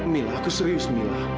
minah aku serius minah